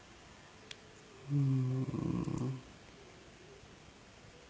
うん。